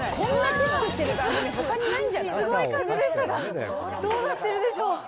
すごい風でしたが、どうなってるでしょう。